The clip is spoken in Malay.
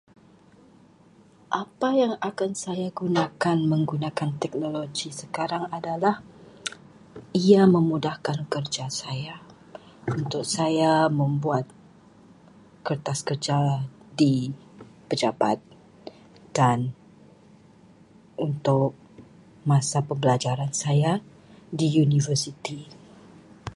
Apa yang saya akan gunakan menggunakan teknologi sekarang adalah ia memudahkan kerja saya untuk saya membuat kertas kerja di pejabat dan untuk masa pembelajaran saya di universiti.